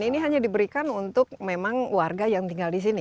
ini hanya diberikan untuk memang warga yang tinggal di sini